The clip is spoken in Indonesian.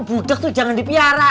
budak tuh jangan dipiara